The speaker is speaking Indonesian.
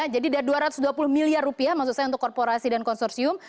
jadi sudah dua ratus dua puluh miliar rupiah maksud saya untuk korporasi dan konsorsium